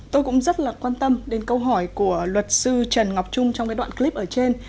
tôi cũng rất là quan tâm đến câu hỏi của luật sư trần ngọc trung trong cái đoạn clip ở trên